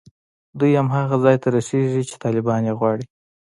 دوی هماغه ځای ته رسېږي چې طالبان یې غواړي